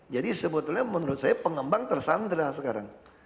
jadi sebetulnya menurut saya pengembang tersandra sekarang